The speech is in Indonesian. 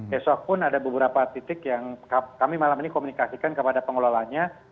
besok pun ada beberapa titik yang kami malam ini komunikasikan kepada pengelolanya